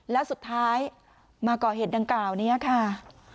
แล้วสุดท้ายมาก่อเหตุดังกล่าวนี้ค่ะ